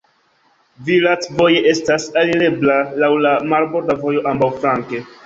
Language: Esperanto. Virac voje estas alirebla laŭ la marborda vojo ambaŭflanke.